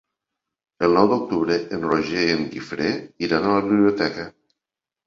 El nou d'octubre en Roger i en Guifré iran a la biblioteca.